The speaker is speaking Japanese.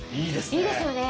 いいですね。